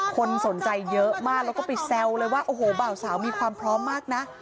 คนสนใจเยอะมากแล้วก็ไปแซวเลยว่าโอ้โหบ่าวสาวมีความพร้อมมากนะ